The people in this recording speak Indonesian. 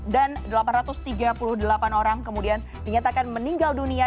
dan delapan ratus tiga puluh delapan orang kemudian dinyatakan meninggal dunia